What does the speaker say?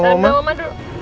sama sama oma dulu